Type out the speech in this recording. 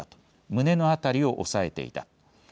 胸の辺りを押さえていた。